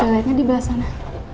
toiletnya di belakang sana